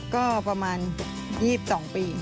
ก็ประมาณ๒๒ปี